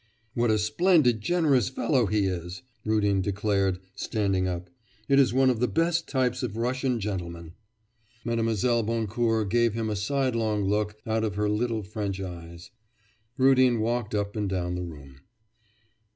'What a splendid, generous fellow he is!' Rudin declared, standing up. 'It is one of the best types of a Russian gentleman.' Mlle. Boncourt gave him a sidelong look out of her little French eyes. Rudin walked up and down the room.